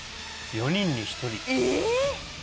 ４人に１人ええ！